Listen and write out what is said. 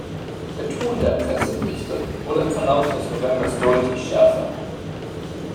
Der Ton der Presseberichte wurde im Verlauf des Novembers deutlich schärfer.